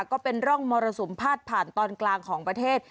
ก็เป็นร่องมรสุมพาดผ่านตอนกลางของประเทศ